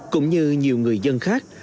cũng như nhiều người dân khác